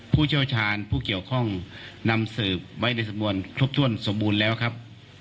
ผู้เชี่ยวชาญผู้เกี่ยวข้องนำสืบไว้ในสำนวนครบถ้วนสมบูรณ์แล้วครับ